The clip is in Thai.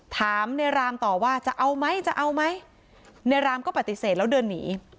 ถามในรามต่อว่าจะเอาไหมจะเอาไหมในรามก็ปฏิเสธแล้วเดินหนี